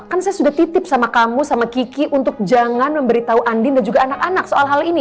kan saya sudah titip sama kamu sama kiki untuk jangan memberitahu andin dan juga anak anak soal hal ini